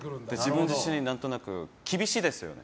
自分自身、何となく厳しいですよね。